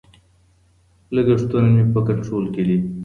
لګښتونه مې په کنټرول کې دي.